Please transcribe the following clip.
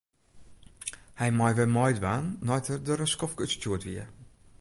Hy mei wer meidwaan nei't er der in skoftke útstjoerd wie.